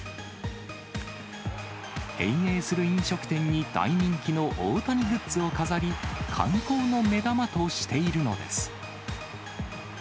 経営する飲食店に大人気の大谷グッズを飾り、観光の目玉としているのです。